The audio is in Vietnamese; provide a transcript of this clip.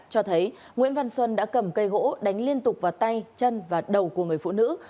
cho thấy nguyễn văn xuân đã cầm cây gỗ đánh liên tục vào tay chân và đầu của người phụ nữ